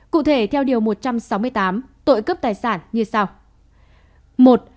cụ thể theo điều một trăm sáu mươi tám tội cướp tài sản như sau